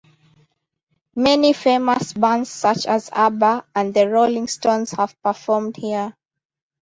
Many famous bands such as Abba and the Rolling Stones have performed here.